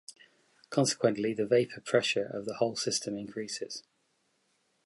Consequently, the vapor pressure of the whole system increases.